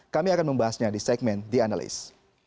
kami akan membahasnya di segmen the analyst